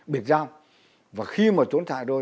biệt giam và khi mà trốn chạy rồi